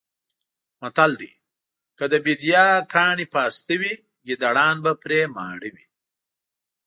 متل دی: که د بېدیا کاڼي پاسته وی ګېدړان به پرې ماړه وی.